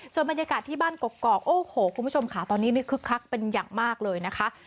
ส่วนบรรยากาศที่บ้านกอกโอ้โหคุณผู้ชมค่ะตอนนี้คึกคักเป็นอย่างมากเลยนะคะ